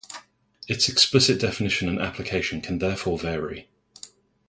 Its explicit definition and application can therefore vary.